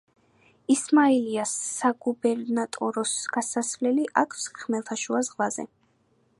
ისმაილიას საგუბერნატოროს გასასვლელი აქვს ხმელთაშუა ზღვაზე.